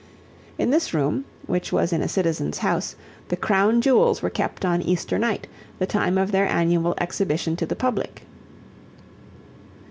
In this room, which was in a citizen's house, the crown jewels were kept on Easter night, the time of their annual exhibition to the public.